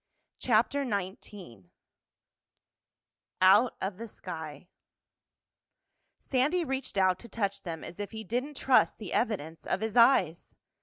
CHAPTER XIX OUT OF THE SKY Sandy reached out to touch them as if he didn't trust the evidence of his eyes.